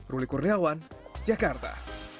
ruli kurniawan jakarta